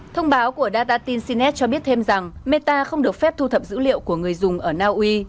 thông báo của data tinsinet cho biết thêm rằng meta không được phép thu thập dữ liệu của người dùng ở naui